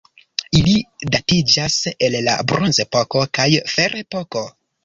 Ili datiĝas el la bronzepoko kaj ferepoko.